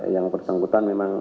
yang bersangkutan memang